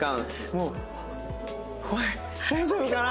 もう怖い大丈夫かな？